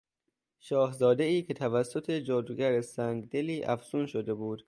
شاهزادهای که توسط جادوگر سنگدلی افسون شده بود